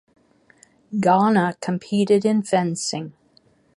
Ghana competed in fencing.